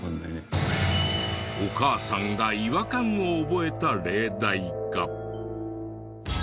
お母さんが違和感を覚えた例題が。